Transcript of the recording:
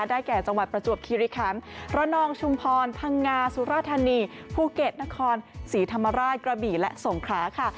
แก่จังหวัดประจวบคิริคันระนองชุมพรพังงาสุรธานีภูเก็ตนครศรีธรรมราชกระบี่และสงขราค่ะ